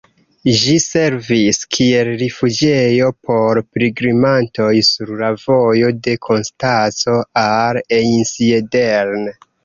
Ĝi servis kiel rifuĝejo por pilgrimantoj sur la vojo de Konstanco al Einsiedeln.